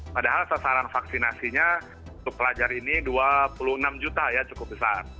padahal sasaran vaksinasinya untuk pelajar ini dua puluh enam juta ya cukup besar